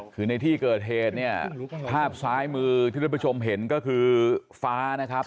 คือในที่เกิดเหตุเนี่ยภาพซ้ายมือที่ท่านผู้ชมเห็นก็คือฟ้านะครับ